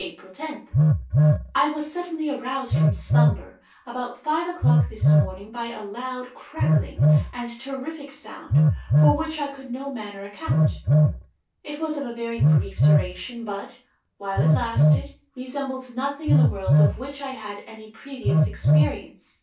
"April 10th. I was suddenly aroused from slumber, about five o'clock this morning, by a loud, crackling, and terrific sound, for which I could in no manner account. It was of very brief duration, but, while it lasted resembled nothing in the world of which I had any previous experience.